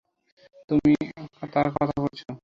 তুমি তার কথা বলছো?